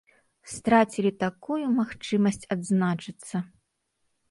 Страцілі такую магчымасць адзначыцца!